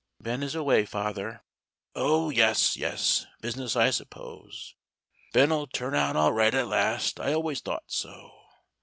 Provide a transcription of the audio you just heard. "Ben is away, father." "Oh, yes, yes. Business, I suppose. Ben'll turn out all right at last. I always thought so.